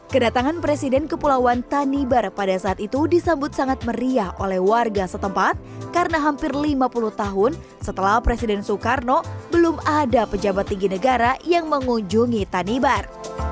kedatangan presiden kepulauan tanibar pada saat itu disambut sangat meriah oleh warga setempat karena hampir lima puluh tahun setelah presiden soekarno belum ada pejabat tinggi negara yang mengunjungi tanibar